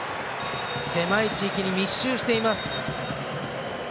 狭い地域に密集しています。